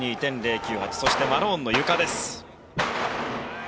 そして、マローンのゆかです。